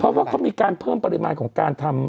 เพราะว่าเขามีการเพิ่มปริมาณของการทำ